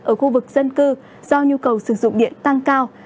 ở khu vực dân cư do nhu cầu sử dụng điện tăng cao